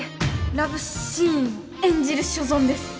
ラブシーンを演じる所存です